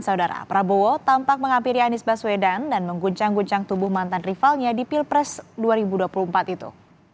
saudara prabowo tampak menghampiri anies baswedan dan mengguncang guncang tubuh mantan rivalnya di pilpres dua ribu dua puluh empat itu